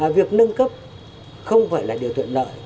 việc nâng cấp không phải là điều thuận lợi